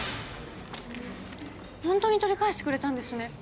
ホントに取り返してくれたんですね